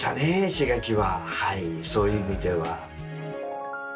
刺激ははいそういう意味では。